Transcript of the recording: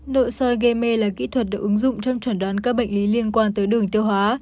nội soi gây mê là kỹ thuật được ứng dụng trong chuẩn đoán các bệnh lý liên quan tới đường tiêu hóa